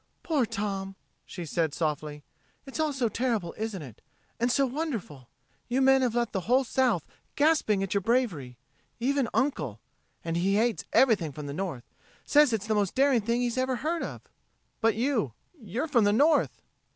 "Poor Tom!" she said softly. "It's all so terrible, isn't it? And so wonderful! You men have left the whole South gasping at your bravery. Even Uncle and he hates everything from the North says it's the most daring thing he's ever heard of." "But you you're from the North."